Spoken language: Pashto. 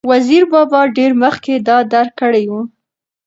وزیر بابا ډېر مخکې دا درک کړې وه،